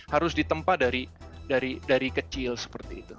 harus ditempa dari kecil seperti itu